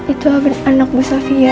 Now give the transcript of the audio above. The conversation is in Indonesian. itu anak bu sofia